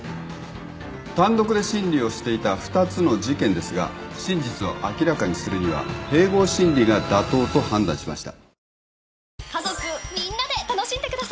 単独で審理をしていた２つの事件ですが真実を明らかにするには併合審理が妥当と判断しました。